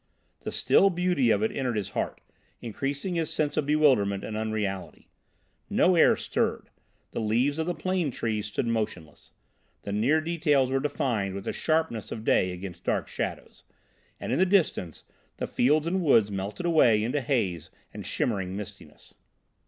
The still beauty of it entered his heart, increasing his sense of bewilderment and unreality. No air stirred, the leaves of the plane trees stood motionless, the near details were defined with the sharpness of day against dark shadows, and in the distance the fields and woods melted away into haze and shimmering mistiness.